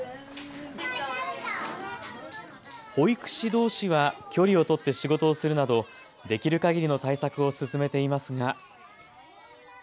保育士どうしは距離を取って仕事をするなど、できるかぎりの対策を進めていますが。